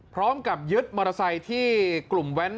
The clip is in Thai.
พร้อมกับยึดมอเตอร์ไซค์ที่กลุ่มแว้น